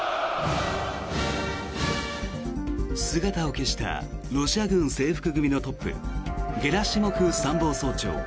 姿を消したロシア軍制服組のトップゲラシモフ参謀総長。